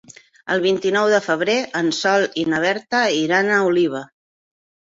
El vint-i-nou de febrer en Sol i na Berta iran a Oliva.